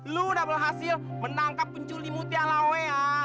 lo udah berhasil menangkap penculi muti alawi ya